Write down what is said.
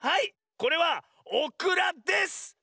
これはオクラです！